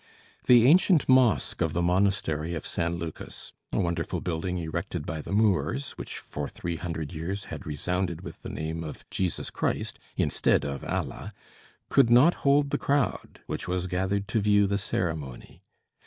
The ancient mosque of the monastery of San Lucas, a wonderful building, erected by the Moors, which for three hundred years had resounded with the name of Jesus Christ instead of Allah, could not hold the crowd which was gathered to view the ceremony.